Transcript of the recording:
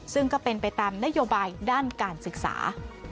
ซึ่งก็เป็นไปตามนโยบายด้านการศึกษา